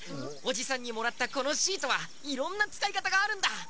おじさんにもらったこのシートはいろんなつかいかたがあるんだ。